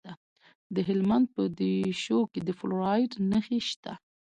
د هلمند په دیشو کې د فلورایټ نښې شته.